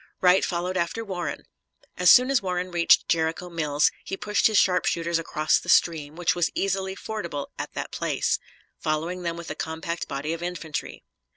Wright followed after Warren. As soon as Warren reached Jericho Mills he pushed his sharpshooters across the stream, which was easily fordable at that place, following them with a compact body of infantry.